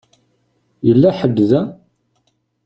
Yella ḥedd da?